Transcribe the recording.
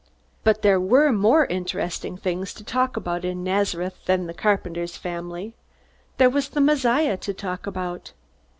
But there were more interesting things to talk about in Nazareth than the carpenter's family. There was the Messiah to talk about.